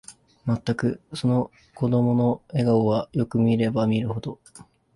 まったく、その子供の笑顔は、よく見れば見るほど、